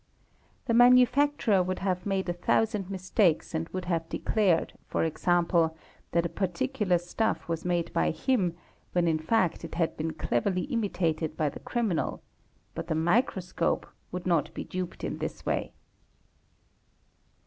The. manufacturer would have made a thousand mistakes and would have declared, e.g., that a particular stuff was made by him when in fact it had been cleverly imitated by the criminal, but the microscope would not be duped in this way.